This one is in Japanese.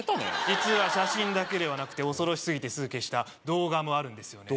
実は写真だけではなくて恐ろしすぎてすぐ消した動画もあるんですよね